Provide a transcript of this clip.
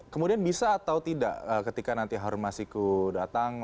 kemudian bisa atau tidak ketika nanti harun masiku datang